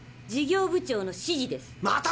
事業部長の指示です。